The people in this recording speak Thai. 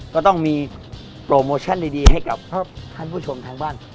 ก็ต้องมีโปรโมชั่นดีให้กับท่านผู้ชมทางบ้าน